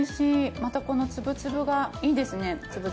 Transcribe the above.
またこの粒々がいいですね。